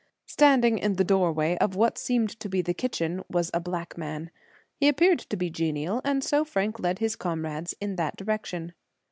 Standing in the doorway of what seemed to be the kitchen was a black man. He appeared to be genial, and so Frank led his comrades in that direction.